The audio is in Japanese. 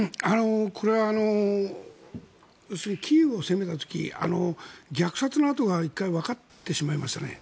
これは要するにキーウを攻めた時虐殺の跡が１回、わかってしまいましたね。